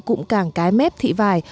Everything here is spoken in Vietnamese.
cụm cảng cái mép thị vải